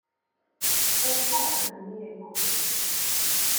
On sent que le nid est couvé.